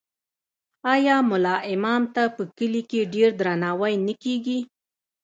آیا ملا امام ته په کلي کې ډیر درناوی نه کیږي؟